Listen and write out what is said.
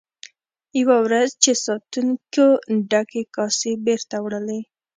یوه ورځ چې ساتونکو ډکې کاسې بیرته وړلې.